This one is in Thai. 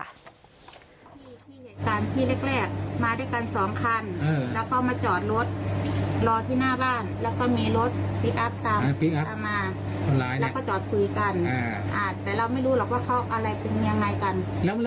การร้องอะไรอย่างเงี้ยค่ะแล้วทีนี้คนที่นั่งอยู่มอเตอร์ไซค์ค่ะ